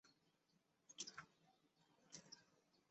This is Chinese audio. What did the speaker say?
极昼和极夜。